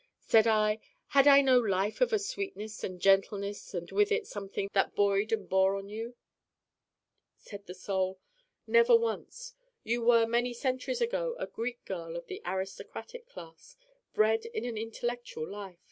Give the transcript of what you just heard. Said I: 'Had I no life of a sweetness and gentleness and with it something that buoyed and bore you on?' Said the Soul: 'Never once. You were many centuries ago a Greek girl of the aristocratic class, bred in an intellectual life.